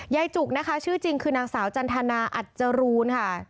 จุกนะคะชื่อจริงคือนางสาวจันทนาอัจจรูนค่ะ